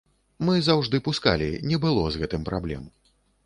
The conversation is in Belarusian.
Мы заўжды пускалі, не было з гэтым праблем.